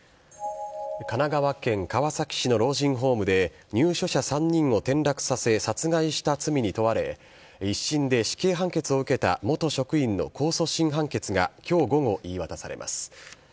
神奈川県川崎市の老人ホームで、入所者３人を転落させ、殺害した罪に問われ、１審で死刑判決を受けた元職員の控訴審判決がきょう午後言い渡されます。